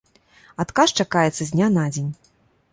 Адказ чакаецца з дня на дзень.